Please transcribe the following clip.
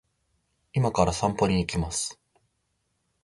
今から散歩に行きます